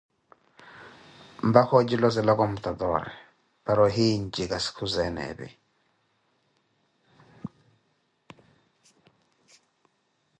mpaka ojilozela computatoore, para ohiiye njika sikhuzeene epi.